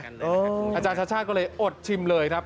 อาจารย์ชะชาติก็เลยอดชิมเลย